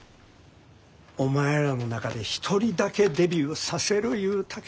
お前らの中で１人だけデビューさせる言うたけどな。